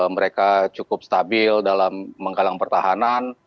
mereka cukup stabil dalam menggalang pertahanan